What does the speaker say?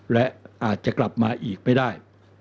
และอาจจะกลับมาอีกไม่ได้